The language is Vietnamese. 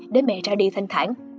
để mẹ ra đi thanh thản